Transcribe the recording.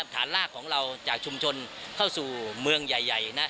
ฐานลากของเราจากชุมชนเข้าสู่เมืองใหญ่